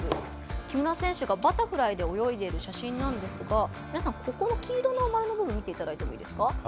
木村選手がバタフライで泳いでいる写真なんですが皆さん、黄色の丸見ていただいてよろしいですか。